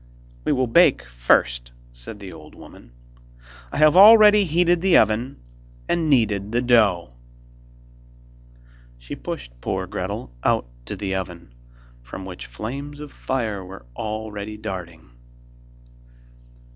'We will bake first,' said the old woman, 'I have already heated the oven, and kneaded the dough.' She pushed poor Gretel out to the oven, from which flames of fire were already darting.